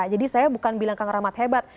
jadi saya bukan bilang kang rahmat hebat